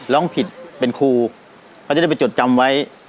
ร้องผิดเป็นครูเขาจะได้ไปจดจำไว้